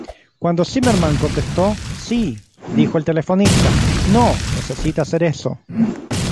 Cuando Zimmerman contestó, "Sí", dijo el telefonista: "No necesita hacer eso".